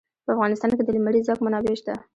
په افغانستان کې د لمریز ځواک منابع شته.